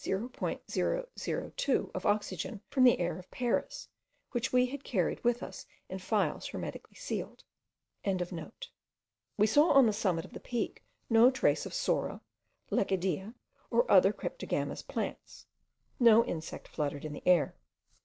002 of oxygen from the air of Paris, which we had carried with us in phials hermetically sealed.) We saw on the summit of the Peak no trace of psora, lecidea, or other cryptogamous plants; no insect fluttered in the air.